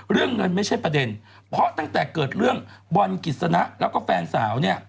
เรื่องเงินไม่ใช่ประเด็นเพราะตั้งแต่เกิดเรื่องบอลกิจสนะแล้วก็แฟนสาวเนี่ย